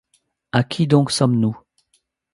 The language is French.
À qui donc sommes-nous ?